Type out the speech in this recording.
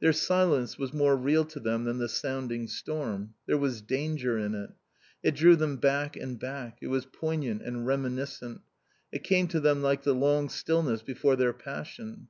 Their silence was more real to them than the sounding storm. There was danger in it. It drew them back and back. It was poignant and reminiscent. It came to them like the long stillness before their passion.